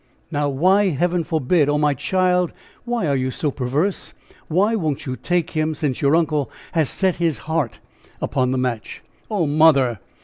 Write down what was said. "Now, why 'heaven forbid?' Oh! my child, why are you so perverse? Why won't you take him, since your uncle has set his heart upon the match?" "Oh, mother!"